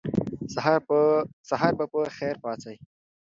سهار به په خیر پاڅئ.